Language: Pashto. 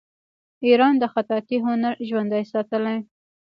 ایران د خطاطۍ هنر ژوندی ساتلی.